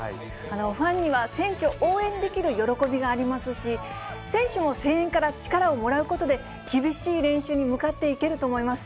ファンには選手を応援できる喜びがありますし、選手も声援から力をもらうことで、厳しい練習に向かっていけると思います。